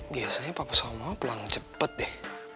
biasanya papa saham mama pulang cepat deh